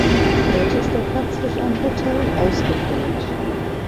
Heute ist der Platz durch ein Hotel ausgefüllt.